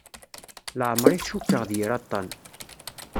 Leɛmer i t-cukkeɣ d yir aṭṭan.